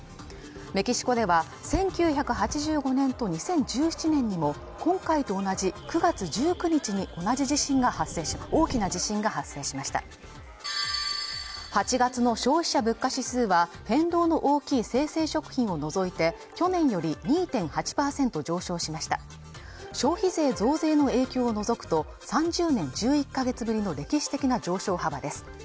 メキシコでは１９８５年と２０１７年にも今回と同じ９月１９日に大きな地震が発生しました８月の消費者物価指数は変動の大きい生鮮食品を除いて去年より２．８％上昇しました消費税増税の影響を除くと３０年１１か月ぶりの歴史的な上昇幅です